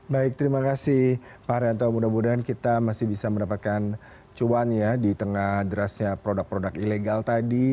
baik terima kasih pak haryanto mudah mudahan kita masih bisa mendapatkan cuan ya di tengah derasnya produk produk ilegal tadi